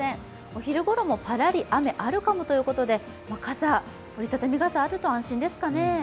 お昼ごろもぱらり雨、あるかもということで折り畳み傘があると安心ですかね。